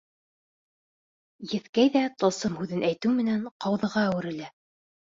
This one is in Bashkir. Еҫкәй ҙә тылсым һүҙен әйтеү менән ҡауҙыға әүерелә.